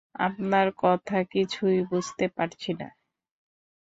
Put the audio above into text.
আপনার কথা কিছুই বুঝতে পারছি না।